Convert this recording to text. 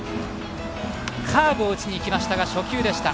カーブを打ちにいきましたが初球でした。